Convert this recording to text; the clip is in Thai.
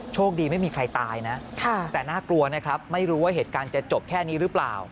โชคดีไม่มีใครตายนะแต่น่ากลัวนะครับไม่รู้ว่าเหตุการณ์จะจบแค่นี้หรือเปล่า